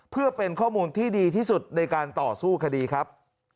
เพื่อเป็นข้อมูลที่ดีที่สุดในการต่อสู้คดีครับ